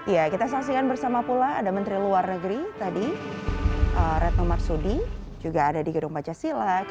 ya kita saksikan bersama pula ada menteri luar negeri tadi retno marsudi juga ada di gedung pancasila